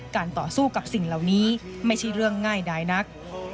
ต่อสู้กับสิ่งเหล่านี้ไม่ใช่เรื่องง่ายดายนัก